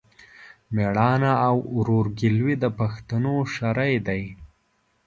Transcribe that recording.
مېړانه او ورورګلوي د پښتنو شری دی.